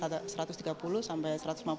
ada satu ratus tiga puluh sampai satu ratus lima puluh